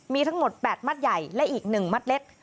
มีทั้งหมด๘มัดใหญ่และอีก๑มัดเล็ก